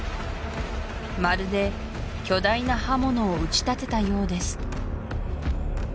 まるで巨大な刃物を打ち立てたようです